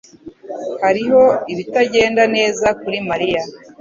Hariho ibitagenda neza kuri Mariya.